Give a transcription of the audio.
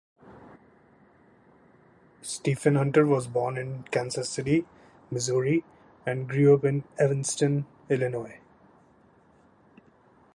Stephen Hunter was born in Kansas City, Missouri, and grew up in Evanston, Illinois.